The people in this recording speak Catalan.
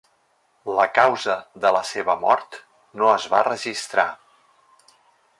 La causa de la seva mort no es va registrar.